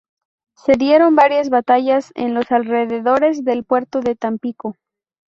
Se dieron varias batallas en los alrededores del Puerto de Tampico.